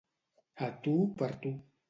A tu per tu.